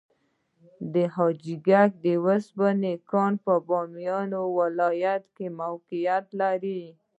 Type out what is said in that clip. د حاجي ګک د وسپنې کان په بامیان ولایت کې موقعیت لري.